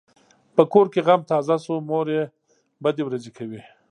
په کور کې غم تازه شو؛ مور یې بدې ورځې کوي.